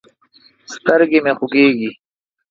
سترګې مې خوږېږي.